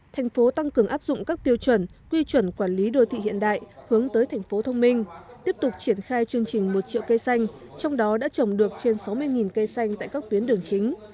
thành phố tăng cường áp dụng các tiêu chuẩn quy chuẩn quản lý đô thị hiện đại hướng tới thành phố thông minh tiếp tục triển khai chương trình một triệu cây xanh trong đó đã trồng được trên sáu mươi cây xanh tại các tuyến đường chính